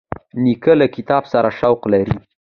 نیکه له کتاب سره شوق لري.